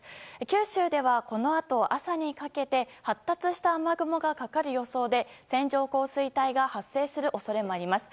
九州では、このあと朝にかけて発達した雨雲がかかる予想で線状降水帯が発生する恐れもあります。